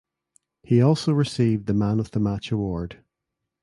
He also received the man of the match award.